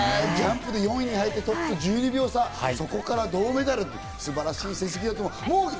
ジャンプで４位に入ってトップと１２秒差、そこから銅メダル、素晴らしい成績だと思う。